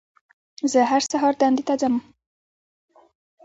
زه هر سهار دندې ته ځم